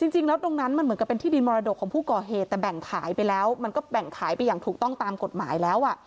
จริงแล้วตรงนั้นมันเหมือนกับเป็นที่ดินมรดกของผู้ก่อเหตุแต่แบ่งขายไปแล้วมันก็แบ่งขายไปอย่างถูกต้องตามกฎหมายแล้ว